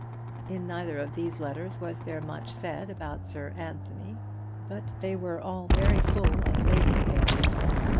In neither of these letters was there much said about Sir Anthony, but they were all very full of Lady Aylmer.